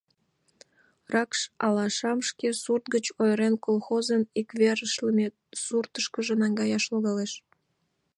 Ракш алашам, шке сурт гыч ойырен, колхозын икверешлыме суртышкыжо наҥгаяш логалеш.